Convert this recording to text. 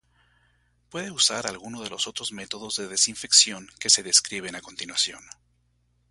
puede usar alguno de los otros métodos de desinfección que se describen a continuación.